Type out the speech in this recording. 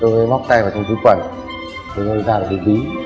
tôi móc tay vào trong cái quần tôi ra cái ví